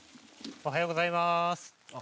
おはようございます。